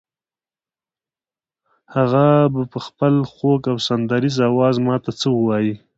هغه به په خپل خوږ او سندریزه آواز ماته څه ووایي.